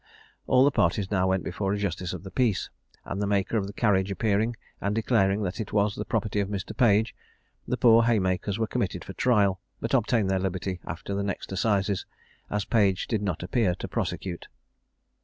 All the parties now went before a justice of the peace; and the maker of the carriage appearing, and declaring that it was the property of Mr. Page, the poor haymakers were committed for trial; but obtained their liberty after the next assizes, as Page did not appear to prosecute.